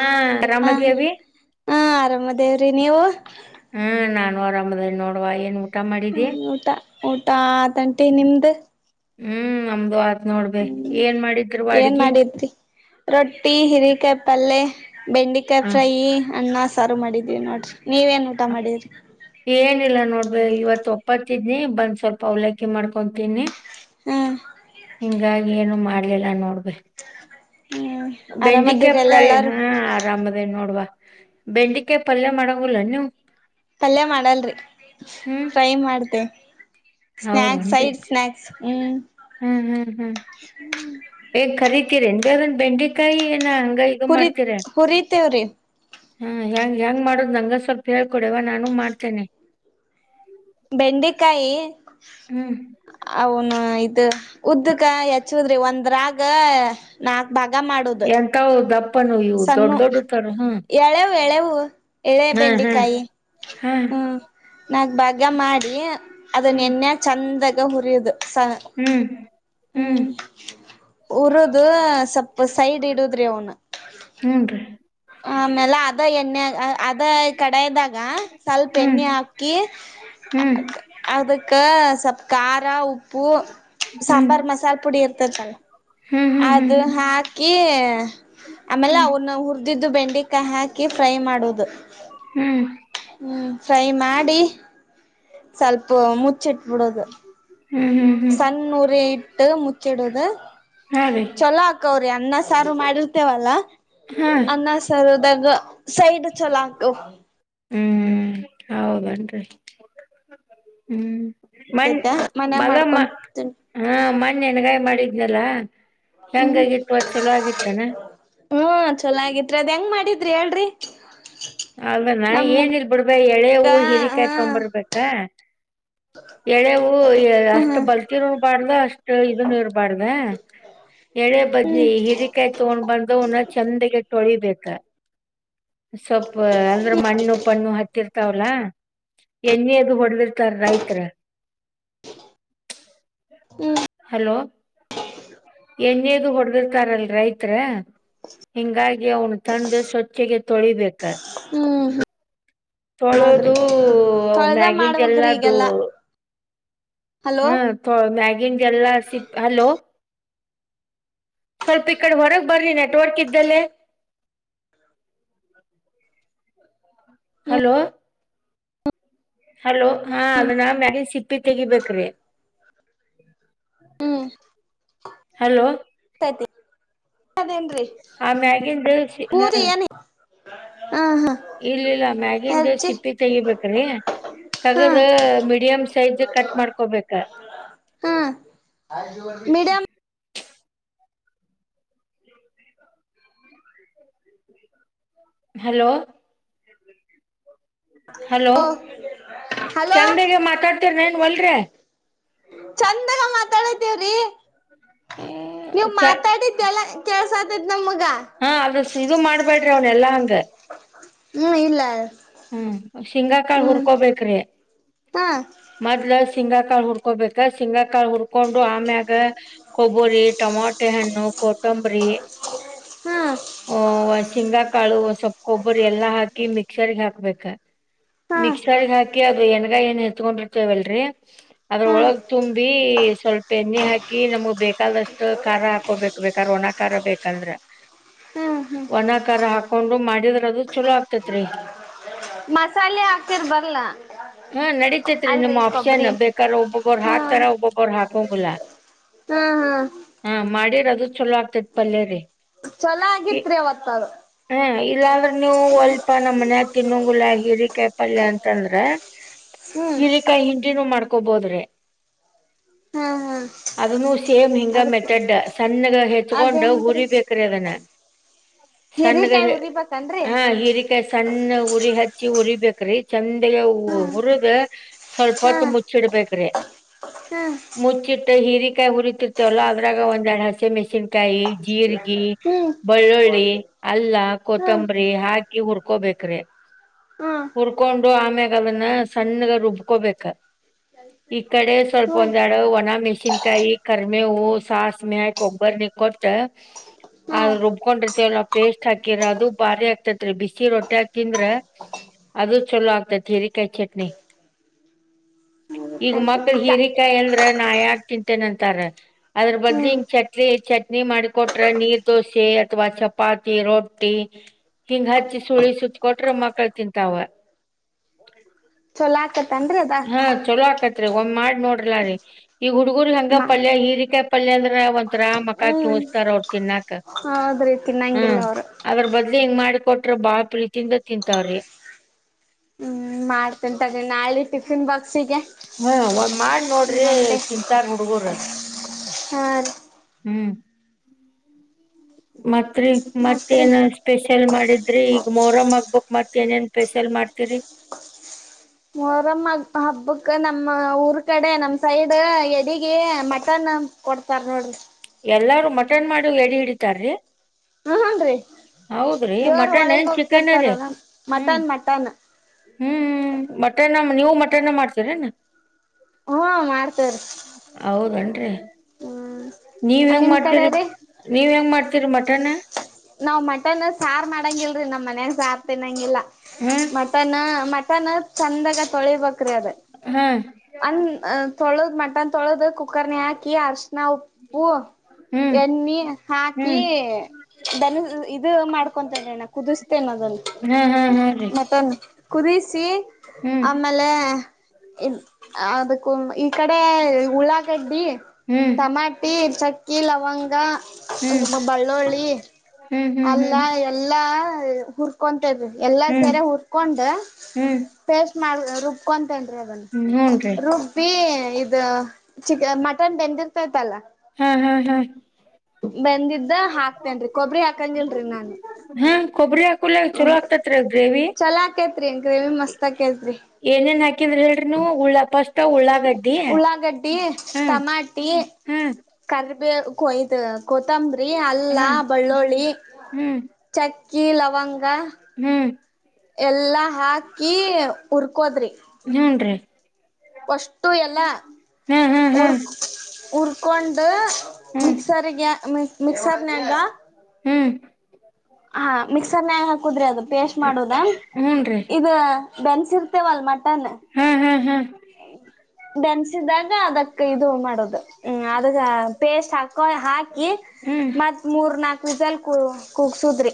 ಹಾ ಆರಾಮಾಗಿದ್ದಿವಿ ಆರಾಮ ದೇವ್ರಿ ನೀವು ಹ್ಮ್ ನಾನು ಆರಾಮದೇ ನೋಡುವ ಏನ್ ಹ್ಮ ಮಾಡಿದಿ ಊಟ ಊಟ ತಂಟಿ ನಿಮ್ದು ಹ್ಮ್ ನಮ್ದು ಆತ್ ನೋಡ್ಬೆ ಹ್ಮ್ ಏನ್ ಮಾಡಿದ್ರವಾ ಏನ್ ಅಡ್ಗಿ ಮಾಡಿದ್ರಿ ರೊಟ್ಟಿ ಹಿರಿಕಾಯ ಪಲ್ಲೆ ಬೆಂಡೆಕಾಯಿ ಆ ಫ್ರೈಿ ಅಣ್ಣ ಸಾರು ಮಾಡಿದ್ವಿ ನೋಡ್ರಿ ನೀವ ನ್ ಊಟ ಮಾಡಿದ್ರಿ ಏನಿಲ್ಲ ನೋಡ್ಬ ಇವತ್ ಒಪ್ಪತಿದ್ನಿ ಬಂದ್ ಸ್ವಲ್ಪ ಅವಲಕ್ಕಿ ಮಾಡ್ಕೊತೀನಿ. ಹ್ಮ್ ಹಿಂಗಾಗಿ ಏನು ಮಾಡ್ಲಿಲ್ಲ ನೋಡ್. ಹ್ಮ್ ಬೆಂಡೆಕಾಯಿ ಆರಾಮದಿರಿ ಅಲ್ಲ ಫ್ರೈ ಎಲ್ಲಾರು ಹಾ ಆರಾಮದೇ ನೋಡುವ ಬೆಂಡಿಕೆ ಪಲ್ಯ ಮಾಡೋಗಲ್ಲ ನೀವು ಪಲ್ಯ ಮಾಡಲ್ರಿ ಹ್ಮ್ ಫ್ರೈ ಮಾಡ್ದೇ ಹೌದನ್ರಿ ಹ್ಮ್ ಹ್ಮ್ ಹ್ಮ್ ಹ್ಮ್ ಹೇ ಕರೀತೀರಿನ್ ಬನ್ ಬೆಂಡೆಕಾಯಿ ಏನ ಇದು ಹುರಿ ಹುರಿತೇವ್ ರಿ ಹಾ ಹೆಂಗ್ ಹೆಂಗ್ ಮಾಡುದು ನಂಗ ಸ್ವಲ್ಪ ಹೇಳ್ಕೊಡವ ನಾನು ಮಾಡ್ತೇನೆ. ಬೆಂಡೆಕಾಯಿ ಹ್ಮ್. ಅವನು ಇದು ಉದ್ದಕ ಹಚ್ಚುದ್ರಿ ಒಂದ್ರಾಗ ನಾಕ್ ಭಾಗ ಮಾಡುದು ಎಂತಾವ್ ದಪ್ಪನು ಇವು ಸಣ್ಣ ದೊಡ್ಡ ದೊಡ್ಡ ತರ ಹ್ಮ್ ಎಳೆವು ಎಳೆವು ಎಳೆ ಹಾ ಹಾ ಬೆಂಡೆಕಾಯಿ. ಹಾ ಹ್ಮ್ ನಾಗ ಬಾಗ ಮಾಡಿ ಅದನ್ನ ಹ್ಮ್ ಎನ್ನೆ ಚಂದಾಗ ಹುರಯುದು ಹ್ಮ್ ಹ್ಮ್ ಉರುದು ಸ್ವಪ ಸೈಡ್ ಇಡುದ್ರಿ ಅವುನ್ನ ಹೂ ನ್ ರೀ ಆ ಆಮೇಲೆ ಅದ ಎಣ್ಣೆ ಅದ ಕಡಯದಾಗ ಸ್ವಲ್ಪ ಹ್ಮ್ ಎಣ್ಣೆ ಹಾಕಿ ಹ್ಮ್ ಅದಕ್ಕ ಸ್ವಲ್ಪ್ ಖಾರ ಉಪ್ಪು ಹ್ಮ್ ಸಾಂಬಾರ್ ಮಸಾಲೆ ಪುಡಿ ಇರ್ತತಲ್ಲ. ಹ್ಮ್ ಹ್ಮ್ ಹ್ಮ್ ಅದು ಹ್ಮ್ ಹಾಕಿ ಆಮೇಲೆ ಹ್ಮ್ ಅವ್ರನ್ನ ಹುರಿದಿದ್ದು ಬೆಂಡೆಕಾಯಿ ಹಾಕಿ ಫ್ರೈ ಮಾಡೋದು ಹ್ಮ್ ಹ್ಮ್ ಫ್ರೈ ಮಾಡಿ ಸ್ವಲ್ಪ ಮುಚ್ಚಿಟ್ಬಿಡೋದು. ಹ್ಮ್ ಹ್ಮ್ ಸಣ್ಣ ಉರಿ ಇಟ್ಟು ಮುಚ್ಚಿಡುದು ಹಾ ರೀ ಚಲೋ ಹಾಕ ಅನ್ನ ಸಾರು ಮಾಡಿರ್ತಿವಲ್ಲ ಹಾ ಅನ್ನ ಸಾರ್ ಅನ್ನ ಸಾರ್ದಾಗ ಸೈಡ್ ಚಲಾ ಹ್ಮ್ ಹೌದನ್ರಿ ಹ್ಮ್ ತೈತೆ ಮನ್ಯಾಗ ಮಾಡ್ಕೊಂತೀನಿ [unintelligible] ನಣ್ಣೆನ್ ಗಾಯಿ ಮಾಡಿದ್ನಲ್ಲ ಹೆಂಗಾಗಿತ್ತು ಅ ಚಲೋ ಆಗಿತ್ತೇನಾ ಹ್ಮ್ ಚಲಾಗಿತ್ರಿ ಅದ್ ಹೆಂಗ್ ಮಾಡಿದ್ರಿ ಹೇಳ್ರಿ. ಅನಾ ನಮ್ಗ ಏನಲ್ ಬಿಡ್ಬ ಎಳೆ ಹೂ ಹಾ ಹಿರಿಕಾಯ್ಕೊ್ಬರ್ಬೇಕ ಎಳೆವು ಹ್ಮ ಅಷ್ಟು ಬಲ್ತಿರ್ರ್ಬಾರ್ದ ಅಷ್ಟು ಇದನ್ನು ಇರ್ಬಾರ್ದ ಎಳೆ ಬದ್ನಿ ಹಿರಿಕಾಯಿ ತಗೊಂಡ್ ಬಂದ ಉನ್ನ ಚೆಂದಗೆ ತೊಳಿಬೇಕ ಸೊಪ್ಪ ಅಂದ್ರೆ ಮಣ್ಣು ಪಣ್ಣು ಹತ್ತಿರ್ತಾವಲ್ಲ ಎಣ್ಣೆದು ಹೊಡದಿರ್ತಾರ ರೈತ್ರ ಹ್ಮ ಹಲೋ ಎಣೇದು ಹೊಡಗಿರ್ತಾರಲ್ ರೈತ್ರರ ಹಿಂಗಾಗಿ ಅವನು ತಂದು ಸ್ವಚ್ಛೆಗೆ ತೊಳಿಬೇಕ ಹ್ಮ್ ಹ್ಮ್ ಹೌದ್ರಿ ತೊಳೋದು ತೊಳ್ದ ಮ್ಯಾಗಿಗೆ ಮಾಡ್ಬೇಕ್ರಿ ಎಲ್ಲಾ ಈಗೆಲ್ಲಾ ಹಲೋ ಹ್ಮ ಮ್ಯಾಗಿನ್ ಎಲ್ಲಾ ಸಿ ಹಲೋ ಸ್ವಲ್ಪ ಈ ಕಡೆ ಹೊರಗ್ ಬರ್ರಿ ನೆಟ್ವರ್ಕ್ ಇದ್ದಲ್ಲೇ ಹಲೋ ಹಲೋ ಹಾ ಅದನ್ನ ಮ್ಯಾಗಿ ಸಿಪ್ಪಿ ತೆಗಿಬೇಕ್ರಿ ಹ್ಮ್ ಹಲೋ ತೈತಿ ಅದೇನ್ರಿ ಆಮ್ಯಾಗಿನ್ ದಸ ಹ ಪೂರಿ [unintelligible] ಇಲ್ಲ ಇಲ್ಲ ಮ್ಯಾಗಿನ್ ಹೆಜ್ಜಿ ಸಿಪ್ಪಿ ತಗಿಬೇಕ್ರಿ ಹಾ ತಗದ ಮೀಡಿಯಂ ಸೈಜ್ ಕಟ್ ಮಾಡ್ಕೊಬೇಕ ಹಾ ಮೀಡಿಯಂ ಹಲೋ ಹಲೋ ಹಲೋ ಚಂದಗೆ ಮಾತಾಡ್ತಿರ್ ಏನ್ ಒಲ್ರಿ ಚಂದಾಗ ಮಾತಾಡತಿವ್ರಿ ನೀವು ಮಾತಾಡಿ ಕೆಲ ಕೆಲ್ಸದ ಹಾ ಅದ್ರ ಇಗ ಮಾಡ್ಬೇಡ್ರಿ ಅವ್ನ್ ಎಲ್ಲಾ ಹಂಗ ಹ್ಮ್ ಇಲ್ಲ ಹ್ಮ್ ಶೇಂಗಾಕಾಳ ಉರ್ಕೋಬೇಕು ಹ ಸಿಂಗ ಕಾಳು ಉರ್ಕೋಬೇಕು ಹುಡ್ಕೊಂಡು ಆಮ್ಯಾಗ ಕೊಬ್ಬರಿ ಟೊಮಾಟೆ ಹಣ್ಣು ಕೊತ್ತಂಬರಿ ಹಾ ಹ ಶಿಂಗಾಕಾಳು ಸೊಪ್ಪ ಗೊಬ್ಬರಿ ಎಲ್ಲಾ ಹಾಕಿ ಮಿಕ್ಸರ್ ಹಾಕ್ಬೇಕು ಹಾ ಮಿಕ್ಸರ್ಗ ಹಾಕಿ ಅದು ಎಣಗಾಯಿ ಏನ್ ಎತ್ಕೊಂಡಿರ್ತೇವಲ್ರರಿ ಅದ್ರ ಹಾ ಒಳಗ್ ತುಂಬಿ ಸ್ವಲ್ಪ ಎಣ್ಣೆ ಹಾಕಿ ನಮ್ಗ್ ಬೇಕಾದಷ್ಟು ಖಾರ ಹಾಕೋಬೇಕು ಬೇಕಾದ್ರ ಒಣಕಾರ ಬೇಕಂದ್ರೆ ಹ್ಮ್ ಹ್ಮ್ ಒಣಕಾರ ಹಾಕೊಂಡು ಮಾಡಿದ್ರೆ ಅದು ಚಲೋ ಆಗ್ತೇತ್ರಿ ಮಸಾಲೆ ಹಾಕ್ತಿರ್ ಬರ್ಲ ಹ್ಮ ನಡಿತೇತ್ರಿ ನಿಮ್ ಅಲ್ರಿ ಆಪ್ಷನ್ ಕೊಬ್ಬರಿ ಬೇಕಾದ್ರ ಒಬೊಬ್ಬರು ಹಾಕ್ತಾರ ಒಬ್ಬೊಬ್ಬರು ಹಾಕಂಗಲ್ಲಾ ಹ್ಮ್ ಹ್ಮ್ ಅದು ಚಲೋ ಆಗ್ತೈತ್ ಪಲ್ಲರಿ ಚಲ ಆಗಿತ್ ಅವತ್ತಾರ ಹ್ಮ ಇಲ್ಲಾಂದ್ರೆ ನೀವು ಹೊಲ್ಪ ನಮ್ಮ್ ಮನೆ ಹ ತಿನ್ನುಂಗುಳ ಹಿರಿಕಾಯಿ ಪಲ್ಯ ಅಂತಂದ್ರ ಹ್ಮ್ ಹಿರಿಕಾಯಿ ಹಿಂಟಿನೂ ಮಾಡ್ಕೊಬೋದ್ರೆ ಹಾ ಹಾ ಅದನು ಸೇಮ್ ಹಿಂಗ ಅದಕ್ಕ ಮೆಥಡ್ ಸಣ್ಣಗ ಹೆಚ್ಕೊಂಡ್ ಅದೇಂಗ್ರಿ ಹುರಿಬೇಕು ಸ್ಣಗೆ ಹಿರಿಕಾಯಿ ಉರಿಬೇಕನ್ರಿ ಹಾ ಹರಿಕ ಸಣ್ಣ ಉರಿ ಹಚ್ಚಿ ಉರಿಬೇಕ್ರಿ ಚಂದಗ ಹ್ಮ್ ಹುರದ ಸ್ವಲ್ಪತ್ ಹ್ಮ್ ಮುಚ್ಚಿಡ್ಬೇಕ್ರಿ ಹ್ಮ್ ಹ್ಮ್ ಮುಚ್ಚಿಟ್ಟ ಹೀರಿಕಾಯಿ ಹುರಿತಿರ್ತವಲ್ಲ ಅದ್ರಾಗ ಒಂದ್ ಎರಡು ಹಸಿ ಮೆಣಸಿನ್ಕಾಯಿ ಜೀರಿಗೆ ಹ್ಮ್ ಬೆಳ್ಳುಳ್ಳಿ ಅಲ್ಲ ಹ್ಮ್ ಕೊತ್ತಂಬರಿ ಹಾಗೆ ಅ ಉರ್ಕೋಬೇಕ್ರಿ ಹ್ಮ್ ಹುರ್ಕೊಂಡು ಆಮ್ಯಾಗ ಅದನ್ನ ಸಣ್ಣಗ ರುಬ್ಕೋಬೇಕ ಈ ಕಡೆ ಸ್ವಲ್ಪ ಹ್ಮ್ ಒಂದ್ ಎಡಡು ಒಣನ ಮ ಚಿಂತಾಯಿ ಕರ್ಮೆಹೂ ಸಾಸಿವೆ ಒಗ್ಗರಣೆ ಕೊಟ್ಟ ಅದ್ ಹ್ಮ್ ರುಬ್ಬಕೊಂಡಿರ್ತಿವಲ್ ಪೇಸ್ಟ್ ಹಾಕಿರ ಅದು ಭಾರಿ ಆಕ್ತೇತ್ರಿ ಬಿಸಿ ರೊಟ್ಟೆ ಹಾಕ್ತಿಂದ್ರ ಅದು ಚಲೋ ಆಗ್ತದೆ ಹಿರಿಕಾಯಿ ಚಟ್ನಿ ಈಗ ಕಾಯಿ ಮಕ್ಳ ಚಟ್ನಿ ಕಾ ಹಿರಿಕಾಯ ಎಂದ್ರ ನ ಯಾಕ್ ತಿಂತೇನೆಂತಾರ ಅದ್ರ ಬದ್ ಹ್ಮ್ ಹಿಂಗ ಚಟ್ನಿ ಚಟ್ನಿ ಮಾಡಿ ನೀರ್ ದೋಸೆ ಅಥವಾ ಚಪಾತಿ ರೊಟ್ಟಿ ಹಿಂಗ ಹಚ್ಚಿ ಸುಳಿ ಸುತ್ಕೊಟ್ರ ಮಕ್ಳ ತಿಂತಾವ ಚಲೋ ಆಕತ್ತ ಹಾ ಚಲೋ ಆಕತ್ರಿ ಒಂದ್ ಮಾಡ್ ನೋಡ್ರಲ ರೀ ಈಗ ಹುಡ್ಗರ್ ಹಂಗ ಮಾ ಪಲ್ಯ ಹೀರಿಕೆ ಪಲ್ಯ ಅಂದ್ರ ಮಕ್ಕ ಹ್ಮ್ ಚಸ್ತಾರ ಅವರು ತಿನ್ನಕ್ ಹೌದ್ರಿ ತಿನ್ನಂಗಿಲ್ಲ ಹ್ಮ್ ಅವರು ಅದ್ರ ಬದ್ ಹೆಂಗ್ ಮಾಡಿಕೊಟ್ರ ಬಾಳ ಪ್ರೀತಿಯಿಂದ ತಿಂತಾವ್ರಿ ಹ್ಮ ಮಾಡ್ತನ್ಂತದ ನಾಳಿ ಟಿಫಿನ್ ಬಾಕ್ಸಿಗೆ ಹಾ ಒಂದು ಮಾಡಿ ನೋಡ್ರಿ ಮಂಡೆ ತಿಂತಾರ ಹುಡ್ಗರ ಹಾ ರೀ ಹ್ಮ್ ಮತ್ರಿ ಮತ್ರಿ ಮತ್ತೇಏನ ಸ್ಪೆಷಲ್ ಮಾಡಿದ್ರಿ ಈಗ ಮೊರಮ ಆಗ್ಬ ಮತ್ತತ್ ಏನೇನ್ ಸ್ಪೆಷಲ್ ಮಾಡ್ತೀರಿ ಮರಮ್ಮ ಹಬ್ಬಕ್ ನಮ್ಮ ಊರ್ ಕಡೆ ನಮ ಸೈಡ್ ಎಡಗೆ ಮಟನ್ ಕೊಡ್ತಾರ ನೋಡ್ರಿ ಎಲ್ಲಾರೂ ಮಟನ್ ಮಾಡಿ ಎಡಿ ಹಿಡಿತಾರ್ರೀ ಹ್ಮ ಹನ್ರಿ ಹೌದ್ರೀ ದೇವ್ರ ಮಟನ್ ಒಳಗ್ ಚಿಕನ್ ರೀ ಹೋಗ್ತಿರ್ತಾರಲ್ಲ ಹ್ಮ್ ಮಟನ್ ಮಟನ್ ಹ್ಮ್ ಮಟನ ನೀವು ಮಟೆನ ಮಾಡ್ತೀರೇನ ಹ್ಮ ಮಾಡ್ತಾರ ಹೌದನ್ರಿ. ಹ್ಮ್ ನೀವ್ ಹೆಂಗ್ ನಿಮ್ ಕಡೆ ಮಾಡ್ತಿರಿ ರೀ ನೀವ್ ಹೆಂಗ್ ಮಾಡ್ತೀರಿ ಮಟನ್ ನಾವ್ ಮಟನ್ ಸಾರು ಮಾಡಂಗ ಇಲ್ರರಿ ನಮ್ಮ್ ಮನಾಗ ಸಾರು ತಿನ್ನಂಗಿಲ್ಲ ಹಾ ಮಟನ್ ಮ ಮಟನ್ ಚಂದಾಗ ತೊಳಿಬೇಕ್ರಿ ಅದೇ ಹಾ ಅಂದ ತೊಳೆದ್ ಮಟನ್ ತೊಳೆದು ಕುಕ್ಕರ್ನ ಹಾಕಿ ಆರ್ ಅರ್ಶ್ನಉಪ್ಪು ಹ್ಮ್ ಎಣ್ಣೆ ಹ್ಮ್ ಹಾಕಿ ದನ ಇದು ಮಾಡ್ಕೊಂತಣ ಕುದಿಸತೇನ ಅದನ್ ಹಾ ಹಾ ಹಾ ರೀ ಮಟನ್ ಕುದಿಸಿ ಹ್ಮ್ ಆಮೇಲೆ ಅದಕ್ಕೂ ಈ ಈ ಕಡೆ ಉಳ್ಳಾಗಡ್ಡಿ ಹ್ಮ್ ಟಮಾಟಿ ಚಕ್ಕಿ ಲವಂಗ ಹ್ಮ್ ಮ್ಮ ಬಳ್ಳುಳ್ಳಿ ಹ್ಮ್ ಹ್ಮ್ ಅಲ್ಲ ಹ್ಮ್ ಎಲ್ಲಾ ಹುರ್ಕೊ ಎಲ್ಲ ಹ್ಮ್ ಸೇರೆ ಹಕೊಂಡ ಹ್ಮ್ ಪ ಮಾಡ ರುಬ್ ನ್ ಅದನ್ ಹೂನ್ರಿ ರುಬ್ಬಿ ಇ ಚಿಕ ಮಟನ್ ಬೆಂದಿರ್ತೈತಲ್ಲ ಹ್ಮ್ ಹಾ ಹಾ ಬಂದಿದ್ದ ಹಾಕ್ತೇನ್ರಿ ಕೊಬ್ಬರಿ ಹಾಕಂಗಿಲ್ರಿ ನಾನು ಕಲ್ಲ ಚಲೋ ಆಗ್ತತ್ ರೀ ಗ್ರೇವಿ ಚಲೋ ಆಕೇತ್ರಿ ಗ್ರೇವಿ ಮಸ್ತ್ ಆ ಕೇತ್ರಿ ಏನೇನ್ ಹಾಕಿದ್ರ ಹೇಳ್ರಿನು ಉಳ್ಳ ಪಸ್ಟ್ ಉಳ್ಳಾಗದ್ದಡಿ ಹ್ಮ್ ಹ್ಮ್ ಕಲ್ ಕೊಯ್ದ ಕೊತ್ತಂಬರಿ ಅಲ್ಲ ಹ್ಮ್ ಬಳ್ಳುಳ್ಳಿ ಹ್ಮ್ ಚ ಕೀ ಲವಂಗ್ ಹ್ಮ್ ಎಲ್ಲಾ ಹಾಕಿ ಉರ್ಕೊಳ್ಳೋದು ಹೂನ್ ರೀ ಪ್ರಷ್ಟು ಎಲ್ಲ ಹ್ಮ್ ಹ್ಮ್ ಹ್ಮ್ ಹರ್ಕ್ ಹರ್ಕೊಂಡು ಹ್ಮ್ ಮಿಕ್ಸರ್ಗೆ ಮಿಕ್ಸರ್ನನಾಗ ಹ್ಮ್ ಹಾ ಮಿಕ್ಸರ್ ನ ಹಾಕುದ್ರಿ ಅದು ಪೇಸ್ಟ್ ಮಾಡುದ ಹೂನ್ರಿ ಇಧು ಬೆನ್ಸಿರ್ತೇವಲ್ ಮಟನ್ ಹ ಬೆನ್ಸಿದಾಗ ಅದಕ್ ಇದು ಮಾಡೋದು ಹ್ಮ ಅದಗ ಪೇಸ್ಟ್ ಹಾಕೋ ಹಾಕಿ ಹ್ಮ್ ಮತ್ ಮೂರ್ ನಾಕ ಪಿಸಲ್ ಕು ಕುೂಗ್ಸುದ್ರಿ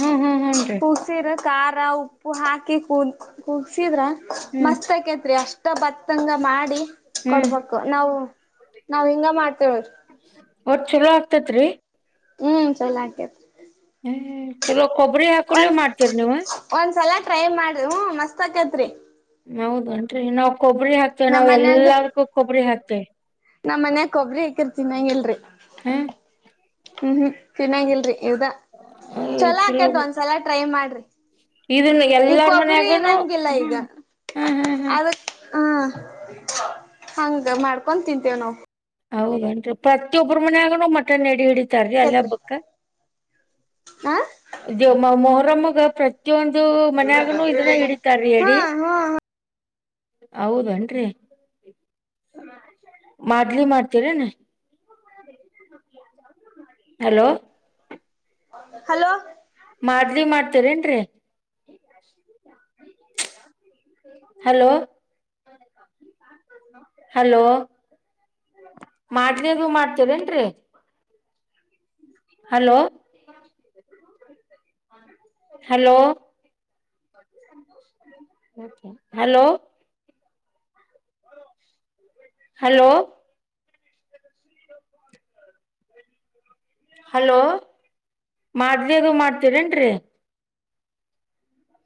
ಹ್ಮ್ ಹ್ಮ್ ಹೂನ್ರಿ ಕುಗ್ಸರ ಖಾರ ಉಪ್ಪು ಹಾಕಿ ಕುದ ಕುದಸಿದ್ರೆ ಹ್ಮ್ ಮಸ್ತ್ ಆಕೈತ್ರಿ ಅಷ್ಟ ಭತ್ತಂಗ ಮಾಡಿ ಹ್ಮ್ ಕೊಡ್ಬೇಕಕ್ು ನಾವವು ನಾವ್ ಹಿಂಗ ಮಾಡ್ತಳಿ ಒಟ್ ಚಲೋ ಆಗ್ತೇತ್ರಿ ಹ್ಮ್ ಚಲ ಆಕೇತಿ ಹ್ಮ್ ಚಲೋ ಕೊಬ್ಬರಿ ಹಾಕಲ ಮಾಡ್ತೀರಿ ನೀವು ಒಂದ್ಸಲ ಟ್ರೈ ಮಾಡ ಹ ಮಸ್ತ್ ಆಕೇತ್ರಿ ಹೌದನ್ರಿ ನಾಾವವು ಕೊಬ್ಬರಿ ಹಾಕ್ತೆೇವೆ ನಾವ್ ಎಲ್ಲದಕ್ಕೂ ಕೊಬ್ಬರಿ ಹಾಕ್ತೆೇವೆ ನಮ್ಮ್ ಮನ್ಯ ಕೊಬರಿ ಇಕರ್ ಚೆನ್ನಾಗಿಲ್ರಿ ಹ್ಮ ಹ್ಮ್್ಮ ಚೆನ್ನಾಗಿಲ್ರಿ ಯದ ಚೊಲೋ ಚಲೋ ಆಕ್ಯದ ಒಂದ್ಸಲ ಟ್ರೈ ಮಾಡ್ರಿ ಇದನ್ನ ಈ ಎಲ್ಲಾರ ಕೊಬ್ಬರಿ ಮನ್ಯಾಗನು ಇರಂಗಿಲ್ಲ ಈಗ ಹ್ಮ್ ಹ್ಮ್ ಹ್ಮ್ ಹ್ಮ್ ಅದ ಹ್ಮ ಹಂಗ ಮಾಡ್ಕೊ ತಿಂತೇವ ನಾವು ಹೌದೇನ್ರಿ ಪ್ರತಿಯೊಬ್ಬರ ಮನಾಗನ ಮಟನ್ ಎಡಿ ಹಿಡ ಲ್ಲ ಆಕೇತ್ರಿ ಹ ಬ ಮೊಹರಮಗೆ ಪ್ರತೊಂದು ದು ಮನ್ಯಾಗ ಇದನ್ನ ಹಿಡಿತಾರೀ ಹಾ ಹೇಳಡಿ ಹಾ ಹೌದನ್್ರರಿ ಬಲಿ ಮಾಡ್ತೀರ ಹಲೋ ಹಲೋ ಮಾಡ್ದಿ ಮಾಡ್ತೇರ ಏನ್ೀ ಹಲೋ ಹಲೋ ಮಾಡನೇದು ಮಾಡ್ತೇರೇನ್ರಿ hello hello hello hello hello ಮಾಡ್ದಗ ಮಾಡ್ತೀರೇನ್ೀ